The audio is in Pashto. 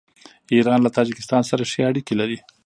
ایران له تاجکستان سره ښې اړیکې لري.